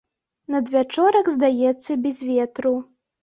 Надвячорак, здаецца, без ветру.